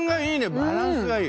バランスがいい。